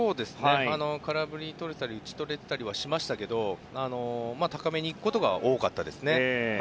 空振りをとれたり打ち取れたりはしましたが高めにいくことが多かったですね。